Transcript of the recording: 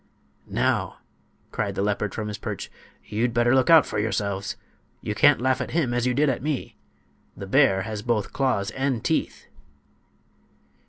"Now," cried the leopard from his perch, "you'd better look out for yourselves! You can't laugh at him as you did at me. The bear has both claws and teeth."